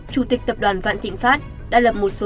chủ tịch tập đoàn vạn thịnh pháp đã lập một số